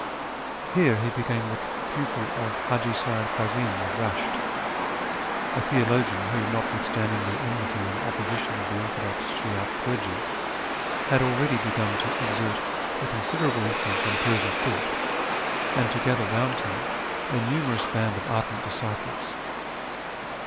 Here he became the pupil of Haji Seyyid Kazim of Eesht, a theologian who, notwithstanding the enmity and opposition of the orthodox Shi'ite clergy, had already begun to exert a considerable influence on Persian thought, and to gather round him a numerous band of ardent disciples.